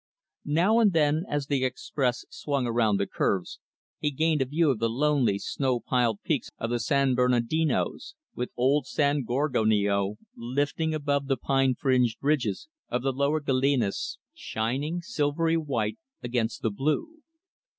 Now and then, as the Express swung around the curves, he gained a view of the lonely, snow piled peaks of the San Bernardinos; with old San Gorgonio, lifting above the pine fringed ridges of the lower Galenas, shining, silvery white, against the blue.